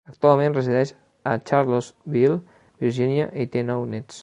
Actualment resideix a Charlottesville, Virginia i té nou néts.